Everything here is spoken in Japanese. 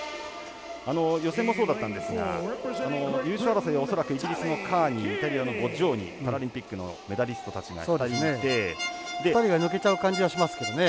予選もそうだったんですが優勝争いは恐らくイギリスのカーニーイタリアのボッジョーニパラリンピックの２人が抜けちゃう感じがしますけどね。